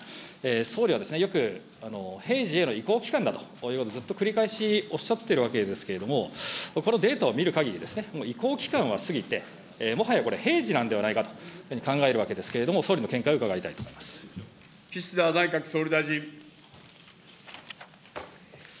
総理はよく平時への移行期間だということをずっと繰り返しおっしゃっているわけですけれども、このデータを見るかぎり、もう移行期間は過ぎて、もはやこれ平時なんではないかと考えるわけですけれども、総理の岸田内閣総理大臣。